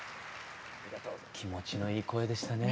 気持ちのいい声でしたね。